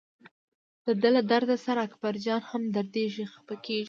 دده له درد سره اکبرجان هم دردېږي خپه کېږي.